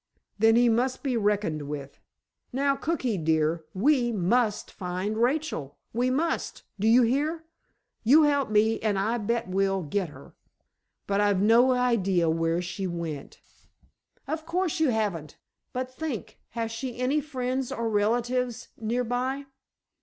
"Then he must be reckoned with. Now, Cookie, dear, we must find Rachel. We must! Do you hear? You help me and I bet we'll get her." "But I've no idea where she went——" "Of course you haven't. But think; has she any friends or relatives nearby?"